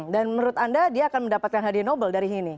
dan menurut anda dia akan mendapatkan hadiah nobel dari sini